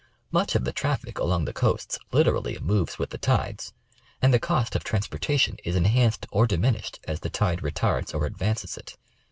Much of the traffic along the coasts literally moves with the tides, and the cost of transportation is enhanced or diminished as the tide retards or advances it.